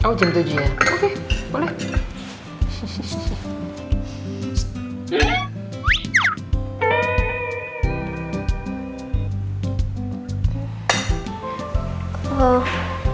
oh jam tujuh ya oke boleh